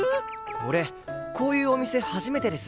俺こういうお店初めてです。